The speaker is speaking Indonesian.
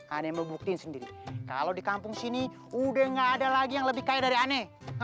ada yang mau buktiin sendiri kalau di kampung sini udah gak ada lagi yang lebih kaya dari aneh